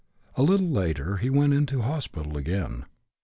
A little later he went into hospital again.